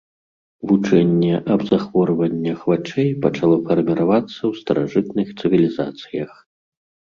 Вучэнне аб захворваннях вачэй пачало фарміравацца ў старажытных цывілізацыях.